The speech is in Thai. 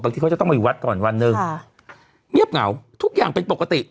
บางทีเขาจะต้องไปวัดก่อนวันหนึ่งค่ะเงียบเหงาทุกอย่างเป็นปกติ